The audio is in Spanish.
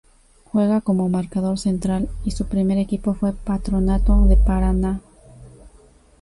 Juega como marcador central y su primer equipo fue Patronato de Paraná.